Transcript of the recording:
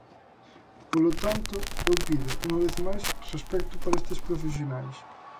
Polo tanto, eu pido, unha vez máis, respecto para estes profesionais.